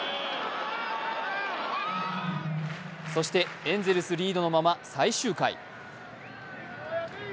そしてエンゼルスリードのまま最終回。